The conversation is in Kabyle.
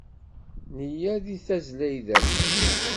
Neya di tazzla n yidammen.